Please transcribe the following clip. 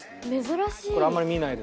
珍しい。